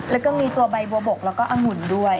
แล้วก็มีตัวใบบัวบกแล้วก็องุ่นด้วย